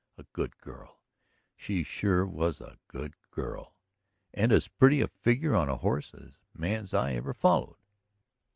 A good girl; she sure was a good girl. And as pretty a figure on a horse as man's eye ever followed.